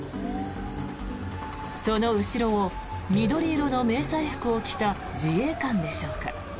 その後ろを、緑色の迷彩服を着た自衛官でしょうか。